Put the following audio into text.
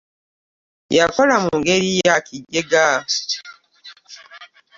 Yakola mungeri ya kijega.